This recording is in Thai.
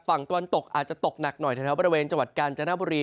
ฝั่งตะวันตกอาจจะตกหนักหน่อยแถวบริเวณจังหวัดกาญจนบุรี